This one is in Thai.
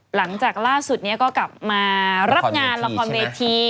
หลังจากล่าสุดนี้ก็กลับมารับงานละครเวที